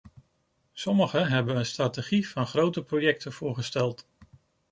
Sommigen hebben een strategie van grote projecten voorgesteld.